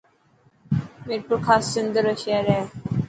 ميپرخاص سنڌ رو شهر هي.